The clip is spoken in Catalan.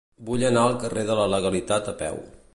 Vull anar al carrer de la Legalitat a peu.